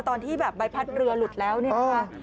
ตอนที่แบบใบพัดเรือหลุดแล้วเนี่ยนะคะ